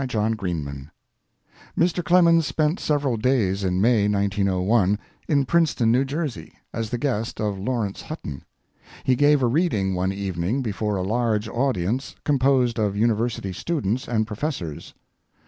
PRINCETON Mr. Clemens spent several days in May, 1901, in Princeton, New Jersey, as the guest of Lawrence Hutton. He gave a reading one evening before a large audience composed of university students and professors.